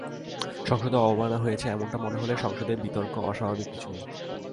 সংসদের অবমাননা হয়েছে এমনটি মনে হলে সংসদে বিতর্ক অস্বাভাবিক কিছু নয়।